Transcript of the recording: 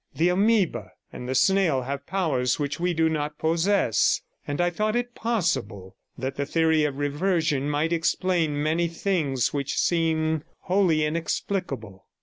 The amoeba and the snail have powers which we do not possess; and I thought it possible that the theory of reversion might explain many things which seem wholly inexplicable.